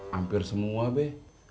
hampir semua be